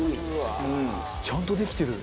ちゃんとできてる。